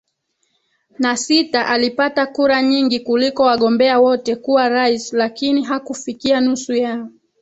na sita alipata kura nyingi kuliko wagombea wote kuwa rais lakini hakufikia nusu ya